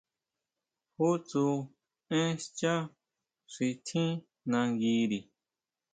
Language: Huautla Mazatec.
¿Jú tsú én xchá xi tjín nanguiri?